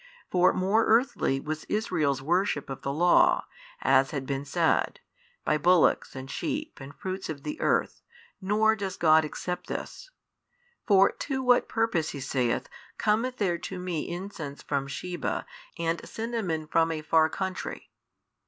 For more earthly was Israel's worship of the law, as has been said, by bullocks and sheep and fruits of the earth, nor does God accept this. For to what purpose, He saith, cometh there to Me incense from Sheba and cinnamon from a far country?